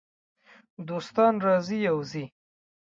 دوستان راځي او ځي .